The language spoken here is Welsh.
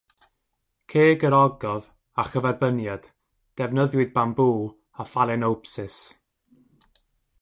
ceg yr ogof " a "chyferbyniad" defnyddiwyd bambŵ a ffalaenopsis.